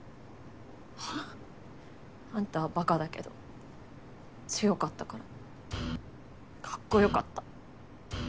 はあ？あんたはバカだけど強かったからかっこよかった。